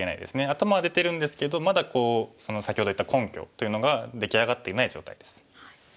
頭は出てるんですけどまだ先ほど言った根拠というのが出来上がっていない状態です。